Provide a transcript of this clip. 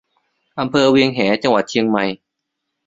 อำเภอเวียงแหง จังหวัดเชียงใหม่